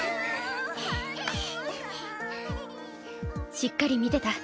しっかり見てた。